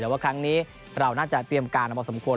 แต่ว่าครั้งนี้เราน่าจะเตรียมการมาพอสมควร